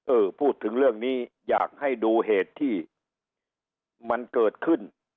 พูดถึงเรื่องนี้อยากให้ดูเหตุที่มันเกิดขึ้น